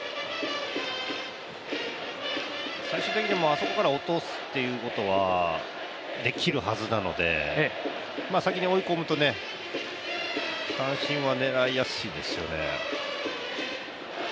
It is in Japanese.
最終的にはあそこから落とすということはできるはずなので先に追い込むと三振は狙いやすいですよね。